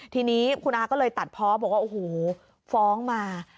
ทีนี้คุณอาก็เลยตัดเพาะบอกว่าโอ้โหฟ้องมา